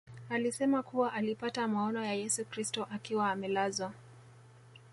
Alisema kuwa alipata maono ya Yesu Kristo akiwa amelazwa